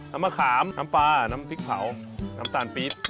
มะขามน้ำปลาน้ำพริกเผาน้ำตาลปี๊ด